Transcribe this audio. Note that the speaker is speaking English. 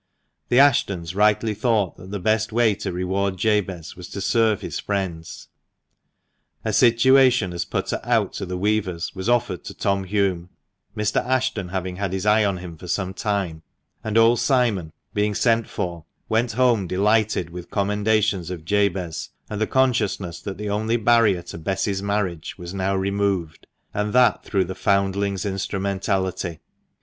The Ashtons rightly thought that the best way to reward Jabez was to serve his friends. A situation as putter out to the weavers was offered to Tom Hulme, Mr. Ashton having had his eye on him for some time, and old Simon, being sent for, went home delighted with commendations of Jabez, and the consciousness that the only barrier to Bess's marriage was now removed, and that through the foundling's instrumentality.